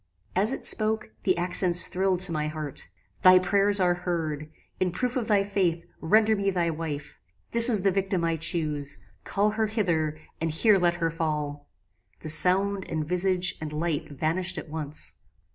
"As it spoke, the accents thrilled to my heart. "Thy prayers are heard. In proof of thy faith, render me thy wife. This is the victim I chuse. Call her hither, and here let her fall." The sound, and visage, and light vanished at once.